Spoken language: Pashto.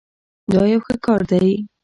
دا یو ښه کار دی.